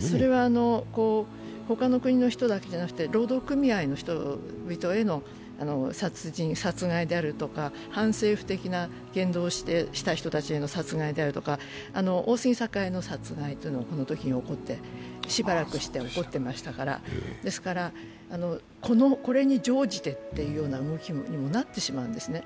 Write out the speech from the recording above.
それは他の国の人だけじゃなくて労働組合の人々への殺害であるとか反政府的な言動をした人たちの殺害であるとか、殺害というのはこのとき起こって、しばらくして起こってましたから、ですから、これに乗じてという動きにもなってしまうんですね。